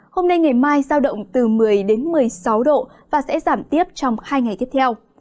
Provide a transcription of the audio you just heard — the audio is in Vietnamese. hôm nay ngày mai giao động từ một mươi đến một mươi sáu độ và sẽ giảm tiếp trong hai ngày tiếp theo